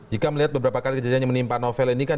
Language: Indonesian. jika melihat beberapa kali kejadian yang menimpa novel ini kan